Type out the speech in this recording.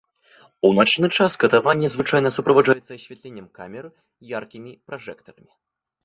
У начны час катаванне звычайна суправаджаецца асвятленнем камер яркімі пражэктарамі.